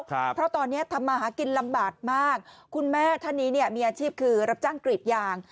เพราะตอนเนี้ยทำมาหากินลำบากมากคุณแม่ท่านนี้เนี่ยมีอาชีพคือรับจ้างกรีดยาง